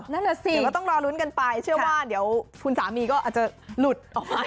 นั่นน่ะสิก็ต้องรอลุ้นกันไปเชื่อว่าเดี๋ยวคุณสามีก็อาจจะหลุดออกไป